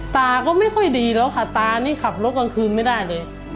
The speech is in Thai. ตาก็ไม่ค่อยดีแล้วค่ะตานี่ขับรถกลางคืนไม่ได้เลย